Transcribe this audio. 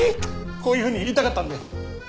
こういうふうに言いたかったんだよ。